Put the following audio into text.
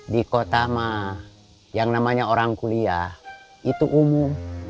di kota mah yang namanya orang kuliah itu umum